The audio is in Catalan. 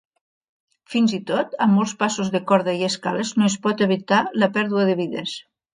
Fins i tot amb molts de passos de corda i escales, no es pot evitar la pèrdua de vides.